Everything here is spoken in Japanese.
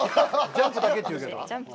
ジャンプだけって言うけど。